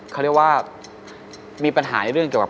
เขาเรียกว่ามีปัญหาในเรื่องเกี่ยวกับ